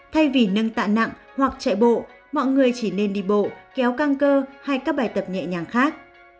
thay vì nâng tạ nặng hoặc chạy bộ mọi người chỉ nên đi bộ kéo căng cơ hay các bài tập nhẹ nhàng khác